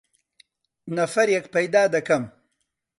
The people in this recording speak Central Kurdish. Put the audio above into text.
نەفەرێک پەیدا دەکەم.